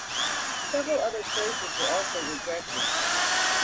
Several other choices were also rejected.